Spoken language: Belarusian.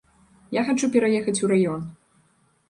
Я хачу пераехаць у раён.